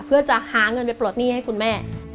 เพื่อจะหาเงินไปปลดหนี้ด้วยค่ะ